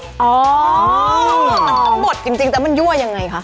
มันต้องบดจริงแล้วมันยั่วยังไงคะ